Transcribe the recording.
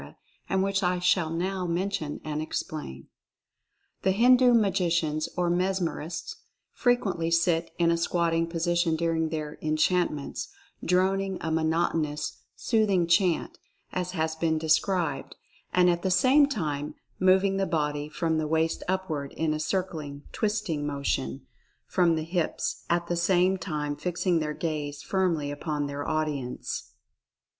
and which I shall now mention and explain. The Hindu magicians, or mesmerists, fre quently sit in a squatting position during their "en chantments," droning a monotonous, soothing chant, as has been described, and at the same time moving the 1 66 Mental Fascination body from the waist upward, in a circling, twisting motion, from the hips, at the same time fixing their gaze firmly upon their audience.